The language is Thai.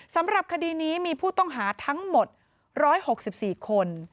สำหรับคดีนี้มีผู้ต้องหาทั้งหมด๑๖๔คน